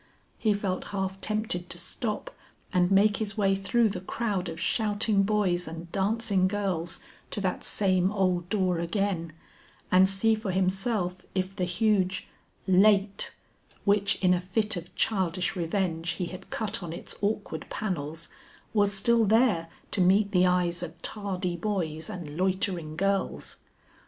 He felt half tempted to stop and make his way through the crowd of shouting boys and dancing girls to that same old door again, and see for himself if the huge LATE which in a fit of childish revenge he had cut on its awkward panels, was still there to meet the eyes of tardy boys and loitering girls.